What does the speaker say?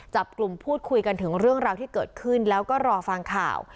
จับกลุ่มพูดคุยกันถึงเรื่องราวที่เกิดขึ้นแล้วก็รอฟังข่าว